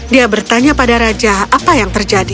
dia bertanya pada raja apa yang terjadi